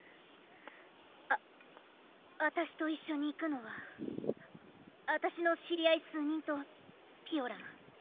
ああたしと一緒に行くのはあたしの知り合い数人とピオラン。